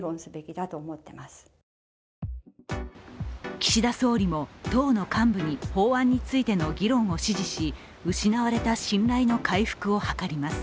岸田総理も党の幹部に法案についての議論を指示し失われた信頼の回復を図ります。